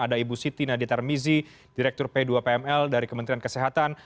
ada ibu siti nadia tarmizi direktur p dua pml dari kementerian kesehatan